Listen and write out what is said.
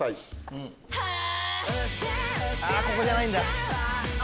ここじゃないんだ。